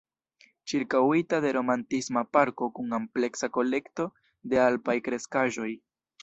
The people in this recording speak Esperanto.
Ĉirkaŭita de romantisma parko kun ampleksa kolekto de alpaj kreskaĵoj.